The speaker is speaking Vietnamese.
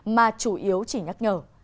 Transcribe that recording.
mà chủ yếu chỉ nhắc nhở